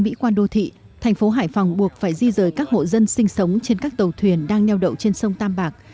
mỹ quan đô thị thành phố hải phòng buộc phải di rời các hộ dân sinh sống trên các tàu thuyền đang neo đậu trên sông tam bạc